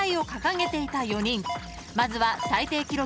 ［まずは最低記録